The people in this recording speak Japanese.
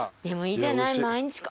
でもいいじゃない毎日。